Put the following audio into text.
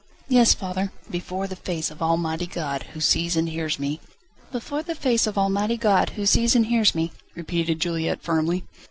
"Yes, father." "Before the face of Almighty God, who sees and hears me ..." "Before the face of Almighty God, who sees and hears me," repeated Juliette firmly.